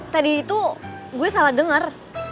tadi itu gue salah dengar